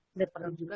tidak perlu juga